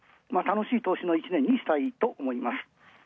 楽しい投資の１年にしたいと思います。